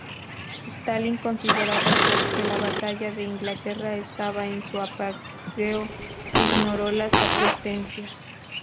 Stalin, considerando que la Batalla de Inglaterra estaba en su apogeo, ignoró las advertencias.